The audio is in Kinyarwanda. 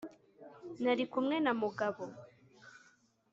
Nali kumwe na Mugabo.